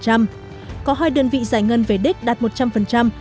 có hai đơn vị giải ngân về đích đạt một trăm linh